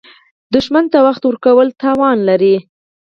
دښمن ته وخت ورکول تاوان لري